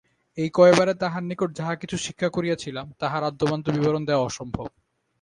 এই কয়বারে তাঁহার নিকট যাহা কিছু শিক্ষা করিয়াছিলাম, তাহার আদ্যোপান্ত বিবরণ দেওয়া অসম্ভব।